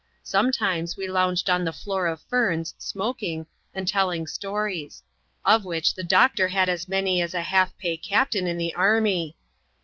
Some times we lounged on the floor of ferns, smoaking, and teUing stories ; of which the doctor had as many as a half pay captain in the army.